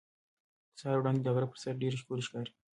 د سهار وړانګې د غره پر سر ډېرې ښکلې ښکاري.